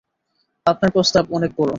আপনার প্রস্তাব অনেক বড়ো।